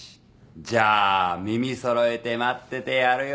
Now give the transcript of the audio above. じゃあ耳そろえて待っててやるよ。